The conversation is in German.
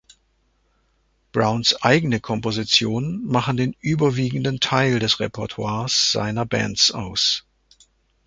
Browns eigene Kompositionen machen den überwiegenden Teil des Repertoires seiner Bands aus.